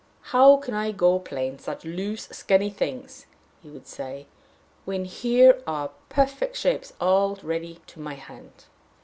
"How can I go playing such loose, skinny things," he would say, "when here are such perfect shapes all ready to my hand!"